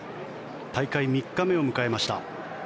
大会３日目を迎えました。